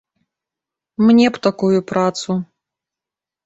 Мне б такую працу.